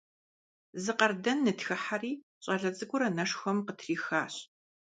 Зы къардэн нытхыхьэри, щӀалэ цӀыкӀур анэшхуэм къытрихащ.